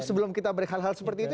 sebelum kita break hal hal seperti itu